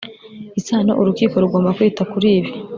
Isano urukiko rugomba kwita kuri ibi